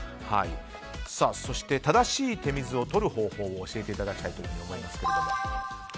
そして、正しい手水を取る方法を教えていただきたいと思います。